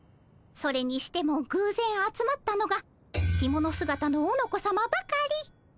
それにしてもぐうぜん集まったのが着物すがたのおのこさまばかり。